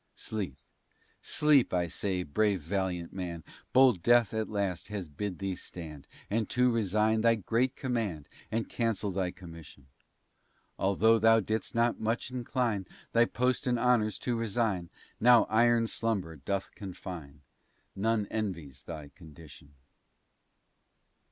Sleep, sleep, I say, brave valiant man, Bold death, at last, has bid thee stand And to resign thy great command, And cancel thy commission. Altho' thou didst not much incline Thy post and honors to resign; Now iron slumber doth confine; None envy's thy condition.